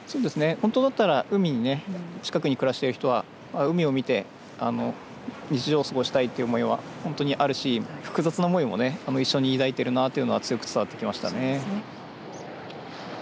本当だったら海の近くに暮らしている人は海を見て日常を過ごしたいという思いは本当にあるし複雑な思いも一緒に抱いているなっていうのは強く伝わってきましたね。